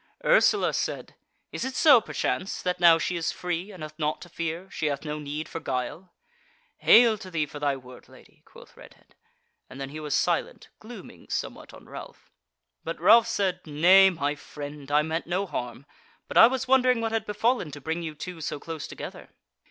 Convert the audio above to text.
Ursula said: "Is it so, perchance, that now she is free and hath naught to fear, she hath no need for guile?" "Hail to thee for thy word, lady," quoth Redhead; and then he was silent, glooming somewhat on Ralph. But Ralph said: "Nay, my friend, I meant no harm, but I was wondering what had befallen to bring you two so close together."